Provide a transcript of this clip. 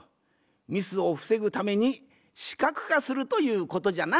ミスをふせぐために視覚化するということじゃな。